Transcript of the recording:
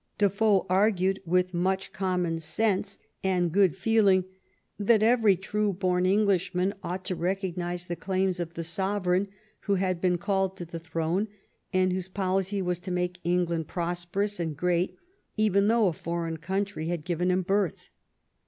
Defoe argued, with much conmion sense and good feel ing, that every true bom Englishman ought to recog nize the claims of the sovereign who had been called to the throne and whose policy was to make England prosperous and great even though a foreign country had given him birth.